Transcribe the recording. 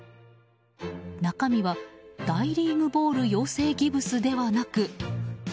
中身は、大リーグボール養成ギブスではなく。